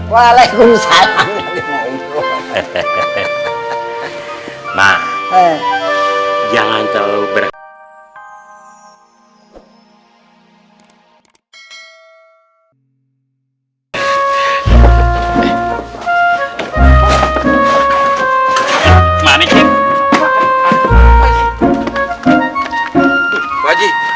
walaikum salam hehehe nah jangan terlalu berhenti